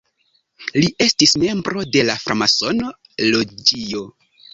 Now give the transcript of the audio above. Li estis membro de framasono loĝio.